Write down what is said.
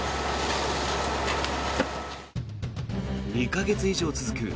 ２か月以上続く